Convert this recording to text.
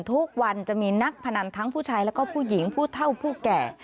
ทุกวันจะมีนักพนันทั้งผู้ชายแล้วก็ผู้หญิงผู้เท่าผู้แก่